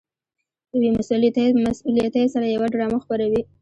په بې مسؤليتۍ سره يوه ډرامه خپروي.